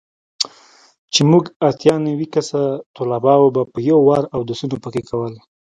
چې موږ اتيا نوي کسه طلباو به په يو وار اودسونه پکښې کول.